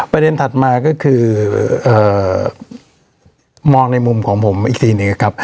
ประเด็นถัดมาก็คือเอ่อมองในมุมของผมอีกทีหนึ่งนะครับ